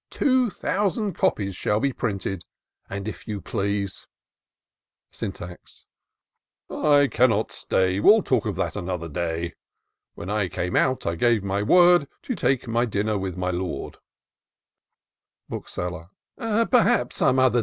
Two thousand copies shall be printed. And if you please " Syntax. " I cannot stay ; We'll talk of that another day : When I came out, I gave my word To take my dinner with my Lord."